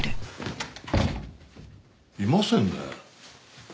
いませんね。